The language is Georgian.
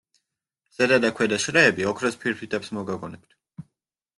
ზედა და ქვედა შრეები ოქროს ფირფიტებს მოგაგონებთ.